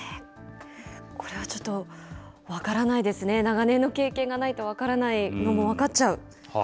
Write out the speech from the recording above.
これはちょっと分からないですね、長年の経験がないと分からないのも分かっちゃう。